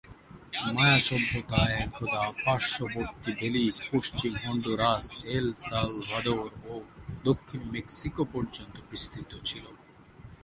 মায়া সভ্যতা একদা পার্শ্ববর্তী বেলিজ, পশ্চিম হন্ডুরাস, এল সালভাদর, ও দক্ষিণ মেক্সিকো পর্যন্ত বিস্তৃত ছিল।